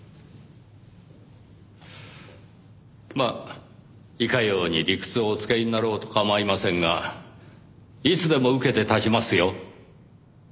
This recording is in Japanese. まあいかように理屈をお使いになろうと構いませんがいつでも受けて立ちますよ。